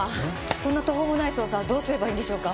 そんな途方もない捜査どうすればいいんでしょうか？